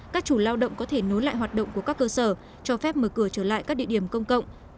các chủ lao động có thể nối lại hoạt động của các cơ sở cho phép mở cửa trở lại các địa điểm công cộng